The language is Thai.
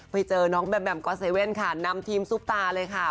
ไปเจอน้องแบมแมมกอเซเว่นค่ะนำทีมซุปตาเลยค่ะ